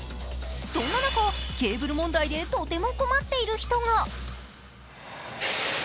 そんな中、ケーブル問題でとても困っている人が。